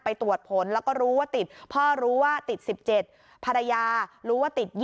ไปตรวจผลแล้วก็รู้ว่าติดพ่อรู้ว่าติด๑๗ภรรยารู้ว่าติด๒๐